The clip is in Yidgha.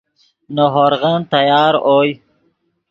نے ہورغن تیار اوئے